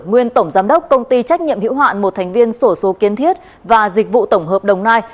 nguyên tổng giám đốc công ty trách nhiệm hiệu hoạn một thành viên sổ số kiên thiết và dịch vụ tổng hợp đồng nai